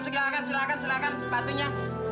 silahkan silahkan silahkan sepatunya